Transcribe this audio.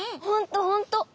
ほんとほんと。